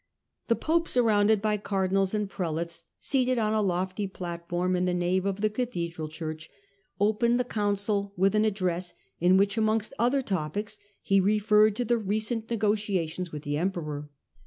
The pope, surrounded by cardinals and prelates, seated on a lofty platform in the nave of the cathedral church, opened the council with an address, in which, amongst other topics, he referred to the recent negotia tions with the emperor.